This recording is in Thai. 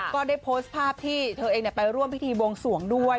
ก็ได้โพสต์ภาพที่เธอเองไปร่วมพิธีบวงสวงด้วย